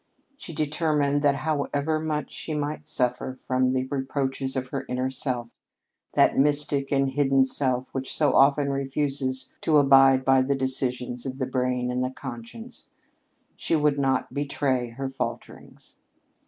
She determined that, however much she might suffer from the reproaches of her inner self, that mystic and hidden self which so often refuses to abide by the decisions of the brain and the conscience, she would not betray her falterings.